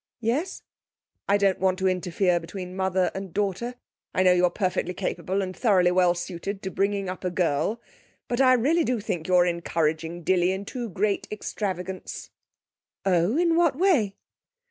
'Yes?' 'I don't want to interfere between mother and daughter I know you're perfectly capable and thoroughly well suited to bringing up a girl, but I really do think you're encouraging Dilly in too great extravagance.' 'Oh! In what way?'